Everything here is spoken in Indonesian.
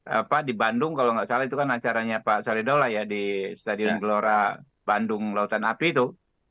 apa di bandung kalau nggak salah itu kan acaranya pak soledola ya di stadion gelora bandung lautan api itu